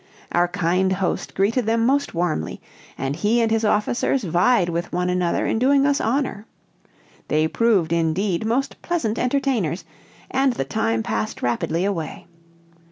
Our kind host greeted them most warmly, and he and his officers vied with one another in doing us honor. They proved, indeed, most pleasant entertainers, and the time passed rapidly away.